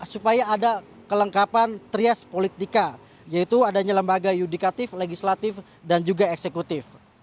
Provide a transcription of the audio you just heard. supaya ada kelengkapan trias politika yaitu adanya lembaga yudikatif legislatif dan juga eksekutif